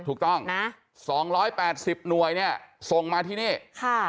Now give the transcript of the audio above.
ถูกต้องนะสองร้อยแปดสิบหน่วยเนี่ยส่งมาที่นี่ค่ะ